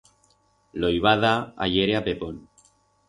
Lo i va dar ahiere a Pepón.